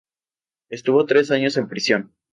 Estuvo tres años en prisión.